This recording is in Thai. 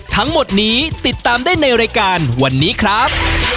ทั้งหมดนี้ติดตามได้ในรายการวันนี้ครับ